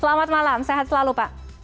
selamat malam sehat selalu pak